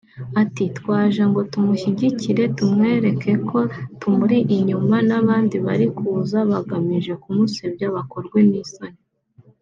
Ati “twaje ngo tumushyigikire tumwereke ko tumuri inyuma […] n’ abandi bari kuza bagamije kumusebya bakorwe n’isoni”